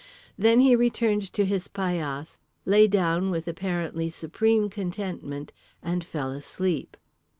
Then he returned to his paillasse, lay down with apparently supreme contentment, and fell asleep.